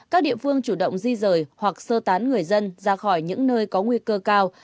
các địa phương chủ động di rời hoặc sơ tán người dân ra khỏi những nơi có nguy cơ cao